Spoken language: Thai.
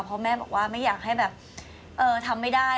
เพราะแม่บอกว่าไม่อยากให้แบบทำไม่ได้